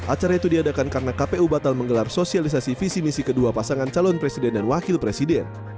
acara itu diadakan karena kpu batal menggelar sosialisasi visi misi kedua pasangan calon presiden dan wakil presiden